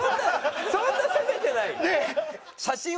そんな責めてない！